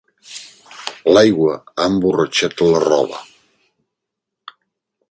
L'aigua ha emborratxat la roba.